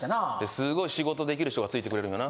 すごい仕事できる人がついてくれるんやな。